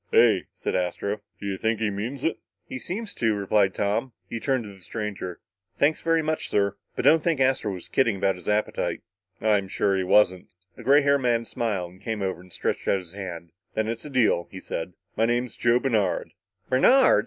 "Hey," said Astro, "do you think he means it?" "He seems to," replied Tom. He turned to the stranger. "Thanks very much, sir, but don't think Astro was just kidding about his appetite." "I'm sure he wasn't." The gray haired man smiled, and came over and stretched out his hand. "Then it's a deal," he said. "My name's Joe Bernard." "Bernard!"